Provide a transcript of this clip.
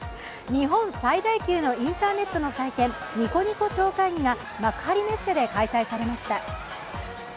日本最大級のインターネットの祭典、ニコニコ超会議が幕張メッセで開催されました。